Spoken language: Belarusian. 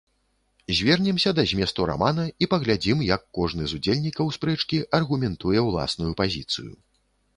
Звернемся да зместу рамана і паглядзім, як кожны з удзельнікаў спрэчкі аргументуе ўласную пазіцыю.